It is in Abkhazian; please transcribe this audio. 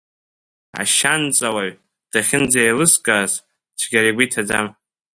Ашьанҵа-уаҩ, дахьынӡеилыскааз, цәгьара игәы иҭаӡам.